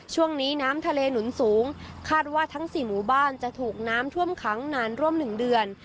ช่วงนี้น้ำทะเลหนุนสูงคาดว่าทั้ง๔หมู่บ้านจะถูกน้ำท่วมขังนานร่วม๑เดือน